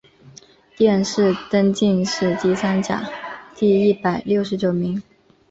殿试登进士第三甲第一百六十九名。